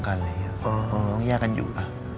ต้องแยกกันอยู่ป่ะ